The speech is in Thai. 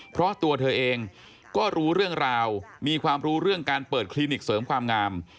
เพราะตัวเธอเองก็รู้เรื่องราวมีความรู้เรื่องการเปิดคลินิกเสริมความงาม